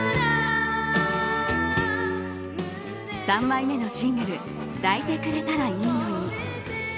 ３枚目のシングル「抱いてくれたらいいのに」。